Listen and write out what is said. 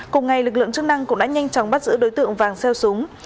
cùng ngày lực lượng chức năng cũng đã nhanh chóng bắt giữ đối tượng vàng xeo súng